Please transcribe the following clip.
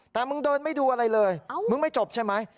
แต่มึงเดินไม่ดูอะไรเลยมึงไม่จบใช่ไหม